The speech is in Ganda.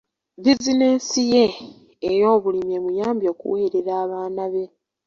Bizinensi ye ey'obulimi emuyambye okuweerera abaana be.